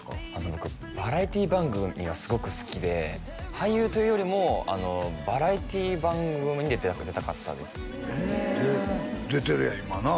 僕バラエティー番組がすごく好きで俳優というよりもバラエティー番組に出たかったですへえ出てるやん今なあ